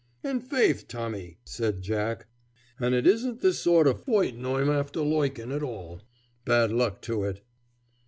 "An' faith, Tommy," said Jack, "an' it isn't this sort of foightin' I'm afther loikin' at all, bad luck to it."